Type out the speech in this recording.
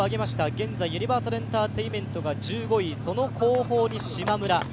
現在ユニバーサルエンターテインメントが１５位、その後方に、しまむら。